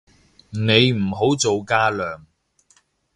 你唔好做架樑